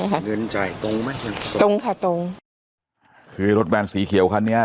เงินใจตรงไหมตรงค่ะตรงคือรถแบรนด์สีเขียวค่ะเนี้ย